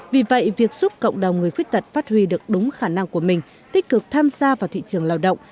vì vậy việc giúp cộng đồng người khuyết tật phát huy được đúng khả năng của mình tích cực tham gia vào thị trường lao động